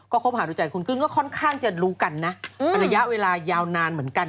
คบหาดูใจคุณกึ้งก็ค่อนข้างจะรู้กันนะเป็นระยะเวลายาวนานเหมือนกัน